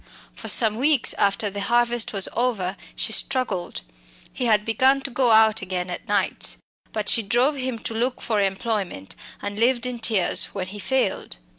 For some weeks after the harvest was over she struggled. He had begun to go out again at nights. But she drove him to look for employment, and lived in tears when he failed.